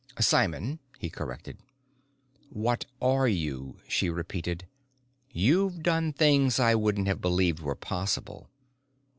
"Simon," he corrected. "What are you?" she repeated. "You've done things I wouldn't have believed were possible.